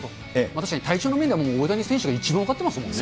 確かに体調の面でももう大谷選手が一番分かってますもんね。